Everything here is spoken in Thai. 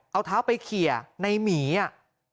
เอาเท้าไปเขียในหมีอ่ะ